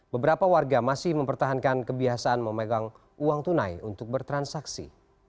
beberapa warga masih mempertahankan kebiasaan memegang uang tunai untuk bertransaksi